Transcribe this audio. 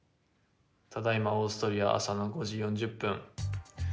ただいまオーストリアは朝の５時４０分。